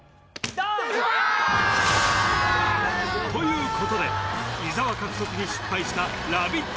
残念失敗ということで伊沢獲得に失敗したラヴィット！